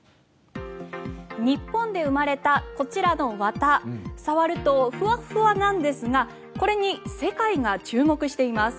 日本で生まれたこちらの綿触るとふわふわなんですがこれに世界が注目しています。